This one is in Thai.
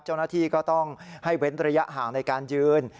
เจ้าหน้าที่ก็ต้องให้เว้นระยะห่างในการยืน